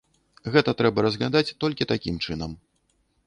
Гэта трэба разглядаць толькі такім чынам.